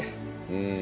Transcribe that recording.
うん。